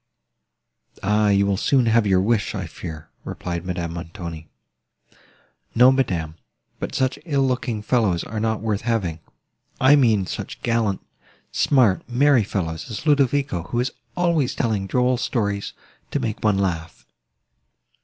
"Ah! you will soon have your wish, I fear," replied Madame Montoni. "No, madam, but such ill looking fellows are not worth having. I mean such gallant, smart, merry fellows as Ludovico, who is always telling droll stories, to make one laugh.